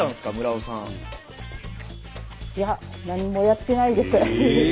いや何もやってないです。